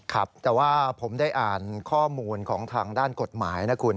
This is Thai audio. ครับแต่ว่าผมได้อ่านข้อมูลของทางด้านกฎหมายนะคุณ